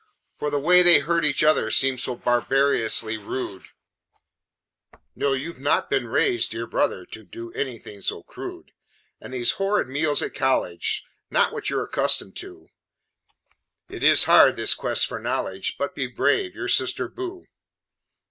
"For the way they hurt each other Seems so barbarously rude No, you've not been raised, dear brother, To do anything so crude. "And those horrid meals at college Not what you're accustomed to. It is hard, this quest for knowledge, But be brave. "Your sister, Boo."